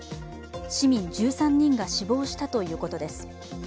市民１３人が死亡したということです。